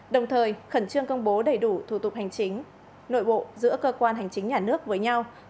đồng thời khẩn trương công bố đầy đủ thủ tục hành chính nội bộ giữa cơ quan hành chính nhà nước với nhau